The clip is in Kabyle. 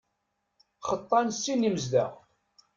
Xeṭṭan sin imezdaɣ.